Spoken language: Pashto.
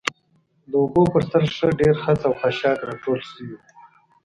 د اوبو پر سر ښه ډېر خس او خاشاک راټول شوي و.